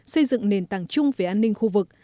xây dựng nền tảng chung về an ninh khu vực